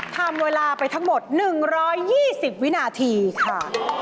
ทำเวลาไปทั้งหมด๑๒๐วินาทีค่ะ